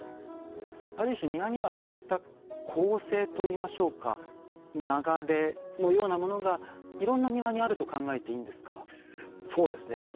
ある種、庭にはそういった構成といいましょうか流れのようなものがいろんな庭にあると考えていいんですか？